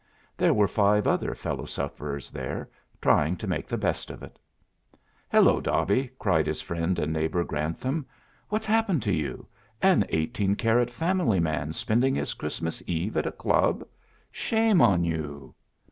There were five other fellow sufferers there trying to make the best of it. "Hello, Dobby," cried his friend and neighbor, Grantham. "What's happened to you an eighteen karat family man spending his Christmas Eve at a club? Shame on you!"